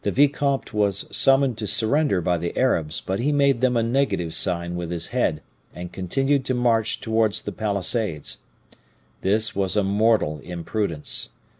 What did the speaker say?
"The vicomte was summoned to surrender by the Arabs, but he made them a negative sign with his head, and continued to march towards the palisades. This was a mortal imprudence.